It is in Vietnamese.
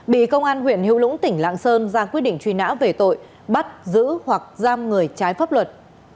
bị công an huyện hữu lũng tỉnh lạng sơn ra quyết định truy nã về tội bắt giữ hoặc giam người trái pháp luật